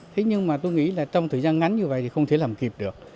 thế nhưng mà tôi nghĩ là trong thời gian ngắn như vậy thì không thể làm kịp được